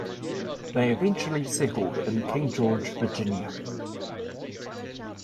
They eventually settled in King George, Virginia.